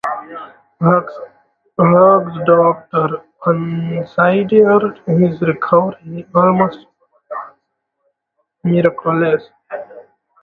Hughes' doctors considered his recovery almost miraculous.